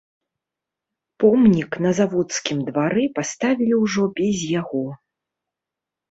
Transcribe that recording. Помнік на заводскім двары паставілі ўжо без яго.